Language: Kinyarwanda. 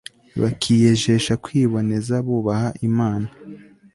bakiyejesha kwiboneza bubaha imana